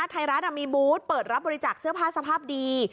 ไทยรัฐมีบูธเปิดรับบริจาคเสื้อผ้าสภาพดี